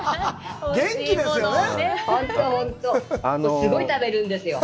すごい食べるんですよ。